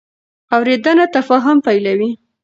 اورېدنه تفاهم پیلوي.